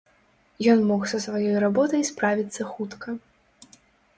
Ён мог са сваёй работай справіцца хутка.